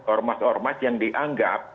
ormas ormas yang dianggap